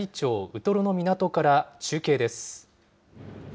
ウトロの港から中継です。